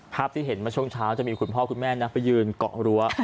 ที่เห็นมาช่วงเช้าจะมีคุณพ่อคุณแม่นะไปยืนเกาะรั้ว